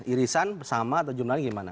irisan sama atau jumlahnya gimana